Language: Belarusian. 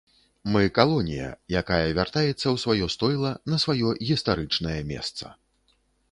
Мы калонія, якая вяртаецца ў сваё стойла, на сваё гістарычнае месца.